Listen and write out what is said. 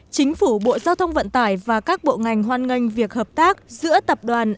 chính phủ bộ giao thông vận tải và các bộ ngành hoan nghênh việc hợp tác giữa tập đoàn